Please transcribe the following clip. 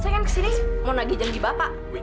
saya kan kesini mau nagih janji bapak